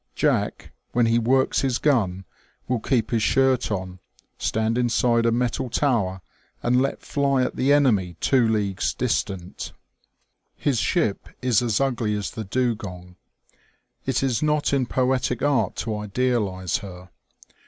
Jack, when he works his gun, will keep his shirt on, stand inside a metal tower, and let fly at an enemy two leagues distant. His 246 TBE OLD NAVAL SEA SONG. ship is as ugly as the dugong. It is not in poetic art to idealize her.